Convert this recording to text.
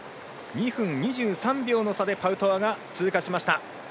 ２分２３秒の差でパウトワが通過しました。